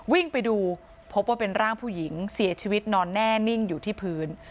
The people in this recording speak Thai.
วิ่งไปดูพบว่าเป็นร่างผู้หญิงเสียชีวิตนอนแน่นิ่งอยู่ที่พื้น